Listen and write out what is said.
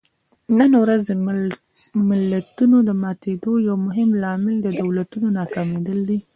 نن ورځ د ملتونو د ماتېدو یو مهم لامل د دولتونو ناکامېدل دي.